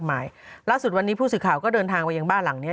หมายล่าสุดวันนี้ผู้สื่อข่าวก็เดินทางไปยังบ้านหลังเนี้ย